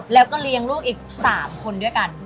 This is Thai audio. แล้วก็เลี้ยงลูกอีก๓คนด้วยกัน